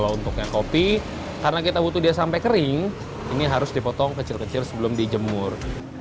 kalau untuk yang kopi karena kita butuh dia sampai kering ini harus dipotong kecil kecil sebelum dijemur